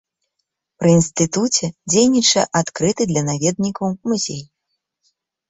Пры інстытуце дзейнічае адкрыты для наведнікаў музей.